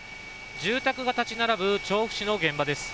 住宅が建ち並ぶ調布市の現場です。